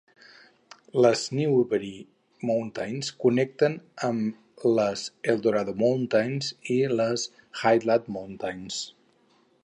Les Newberry Mountains connecten amb les Eldorado Mountains i les Highland Mountains.